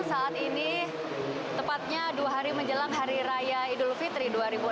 saat ini tepatnya dua hari menjelang hari raya idul fitri dua ribu dua puluh